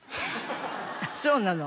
そうなの？